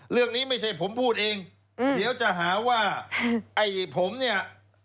ไม่ใช่ผมพูดเองเดี๋ยวจะหาว่าไอ้ผมเนี่ย